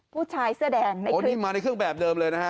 ผู้ชายเสื้อแดงนะครับโอ้นี่มาในเครื่องแบบเดิมเลยนะฮะ